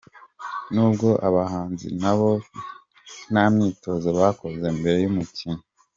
Nubwo abahanzi nabo ntamyitozo bakoze mbere yumukino.